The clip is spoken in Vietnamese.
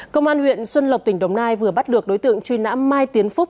công an huyện xuân lộc tỉnh đồng nai vừa bắt được đối tượng truy nã mai tiến phúc